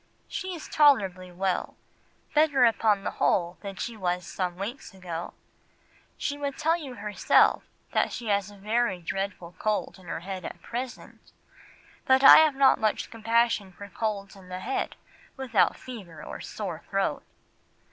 She is tolerably well, better upon the whole than she was some weeks ago. She would tell you herself that she has a very dreadful cold in her head at present, but I have not much compassion for colds in the head without fever or sore throat."